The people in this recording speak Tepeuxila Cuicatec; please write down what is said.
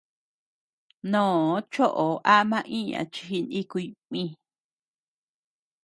Mnoo choʼo ama iña chi jinikuy mï.